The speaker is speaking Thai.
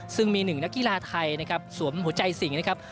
ซึ่งมีหนึ่งนักกีฬาไทยนะครับสวมหัวใจสิงนะครับ